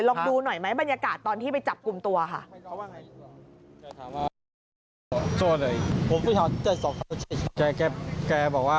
โลกดูหน่อยแบบนี้ก่อนที่ไปจับกลุ่มตัวค่ะ